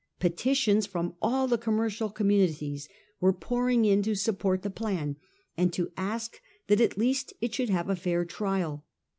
Petitions from all the commercial communities were pouring in to support the plan, and to ask that at least it should have a fair trial.